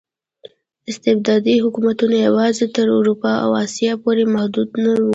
استبدادي حکومتونه یوازې تر اروپا او اسیا پورې محدود نه وو.